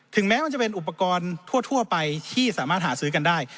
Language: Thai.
แม้มันจะเป็นอุปกรณ์ทั่วไปที่สามารถหาซื้อกันได้